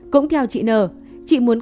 cũng theo chị nời chị muốn